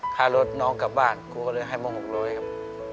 ค่ารถน้องกลับบ้านครูก็เลยให้มา๖๐๐ครับ